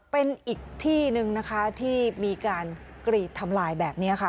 เป็นอีกที่หนึ่งนะคะที่มีการกรีดทำลายแบบนี้ค่ะ